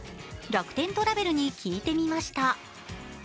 楽天トラベルに聞いてみました。